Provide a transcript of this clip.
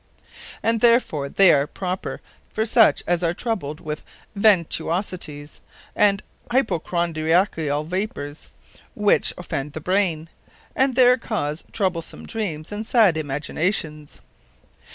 _ And therefore they are proper for such as are troubled with ventuosities, and Hypochondriacall vapours, which offend the brain, and there cause such troublesome dreames, and sad imaginations.